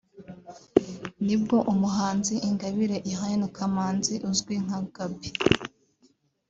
nibwo umuhanzi Ingabire Irene Kamanzi uzwi nka Gaby